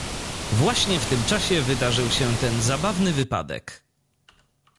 "Właśnie w tym czasie wydarzył się ten zabawny wypadek."